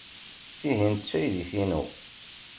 Tihin d taydit-inu.